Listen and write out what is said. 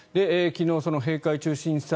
昨日、閉会中審査